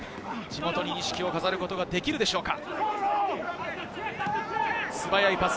地元に錦を飾ることができるでしょうか。